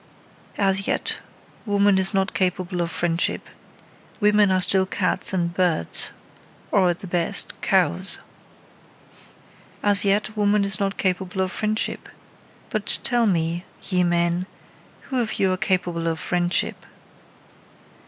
As yet woman is not capable of friendship: women are still cats, and birds. Or at the best, cows. As yet woman is not capable of friendship. But tell me, ye men, who of you are capable of friendship?